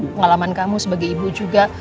pengalaman kamu sebagai ibu juga